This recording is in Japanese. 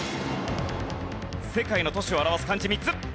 世界の都市を表す漢字３つ。